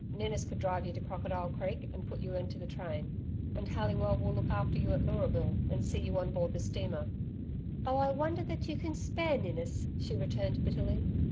Ninnis could drive you to Crocodile Creek, and put you into the train; and Halliwell will look after you at Leuraville, and see you on board the steamer.' 'Oh, I wonder that you can spare Ninnis,' she returned bitterly.